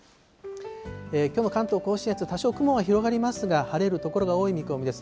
きょうの関東甲信越、多少雲が広がりますが、晴れる所が多い見込みです。